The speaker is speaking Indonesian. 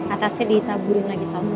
atasnya ditaburin lagi sausnya